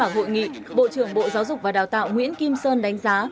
hội nghị bộ trưởng bộ giáo dục và đào tạo nguyễn kim sơn đánh giá